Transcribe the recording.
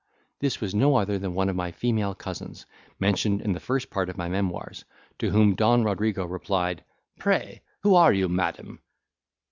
This was no other than one of my female cousins, mentioned in the first part of my memoirs, to whom Don Rodrigo replied, "Pray, who are you, madam?"